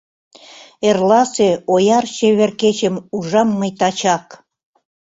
Эрласе ояр чевер кечым Ужам мый тачак.